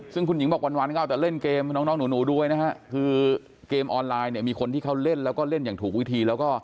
ซึ่งคุณหญิงบอกวันก็เอาแต่เล่นเกมน้องหนูด้วยนะฮะคือเกมออนไลน์เนี่ยมีคนที่เขาเล่นแล้วก็เล่นอย่างถูกวิธีแล้วก็